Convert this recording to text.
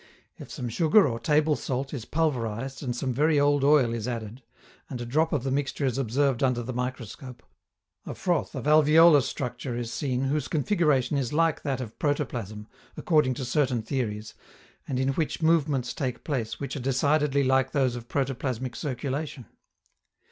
If some sugar or table salt is pulverized and some very old oil is added, and a drop of the mixture is observed under the microscope, a froth of alveolar structure is seen whose configuration is like that of protoplasm, according to certain theories, and in which movements take place which are decidedly like those of protoplasmic circulation.